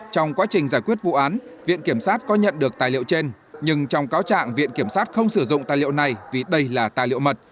trong quá trình giải quyết vụ án viện kiểm sát có nhận được tài liệu trên nhưng trong cáo trạng viện kiểm sát không sử dụng tài liệu này vì đây là tài liệu mật